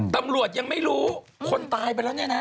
ตำรวจยังไม่รู้คนตายไปแล้วเนี่ยนะ